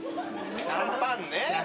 シャンパンね。